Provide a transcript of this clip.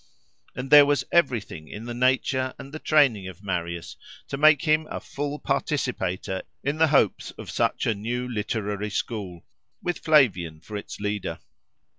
And there was everything in the nature and the training of Marius to make him a full participator in the hopes of such a new literary school, with Flavian for its leader.